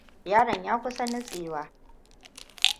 Yaron ya kusa nutsewa.